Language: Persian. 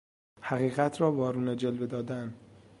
حقیقت را وارونه جلوه دادن